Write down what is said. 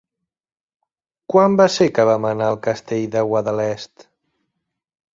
Quan va ser que vam anar al Castell de Guadalest?